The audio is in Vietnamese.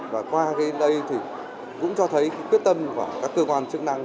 và qua đây cũng cho thấy quyết tâm của các cơ quan chức năng